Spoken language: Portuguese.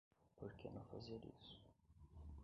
Por que não fazer isso